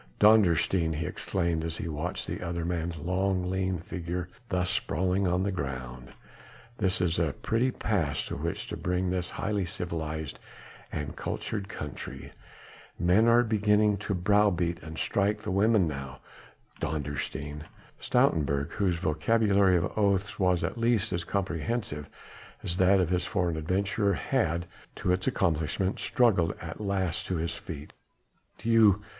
"Dondersteen!" he exclaimed as he watched the other man's long, lean figure thus sprawling on the ground, "this is a pretty pass to which to bring this highly civilized and cultured country. Men are beginning to browbeat and strike the women now! Dondersteen!" Stoutenburg, whose vocabulary of oaths was at least as comprehensive as that of any foreign adventurer, had to its accompaniment struggled at last to his feet. "You